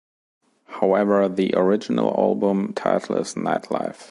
However the original album title is "Nightlife".